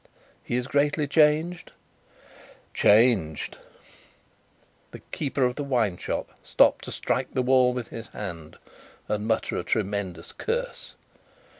"He is greatly changed?" "Changed!" The keeper of the wine shop stopped to strike the wall with his hand, and mutter a tremendous curse.